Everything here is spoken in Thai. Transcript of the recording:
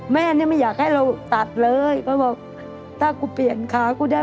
แม่เนี่ยไม่อยากให้เราตัดเลยก็บอกถ้ากูเปลี่ยนขากูได้